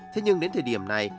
thế nhưng đến thời điểm này